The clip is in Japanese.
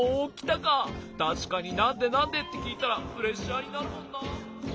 たしかに「なんで？なんで？」ってきいたらプレッシャーになるもんなあ。